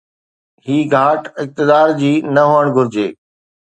هي گهاٽ اقتدار جي نه هئڻ گهرجي.